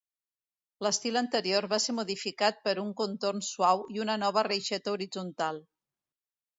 L'estil anterior va ser modificat per un contorn suau, i una nova reixeta horitzontal.